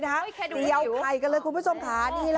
เดี๋ยวไข่กันเลยคุณผู้ชมค่ะ